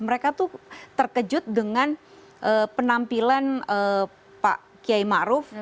mereka tuh terkejut dengan penampilan pak kiai ma'ruf